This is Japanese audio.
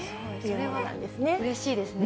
うれしいですね。